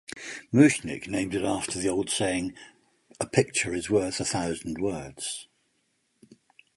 Muchnick named it after the old saying "a picture is worth a thousand words".